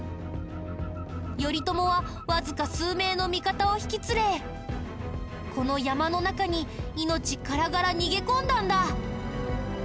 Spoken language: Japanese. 頼朝はわずか数名の味方を引き連れこの山の中に命からがら逃げ込んだんだ。